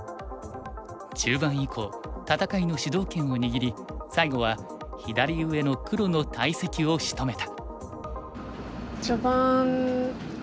中盤以降戦いの主導権を握り最後は左上の黒の大石をしとめた。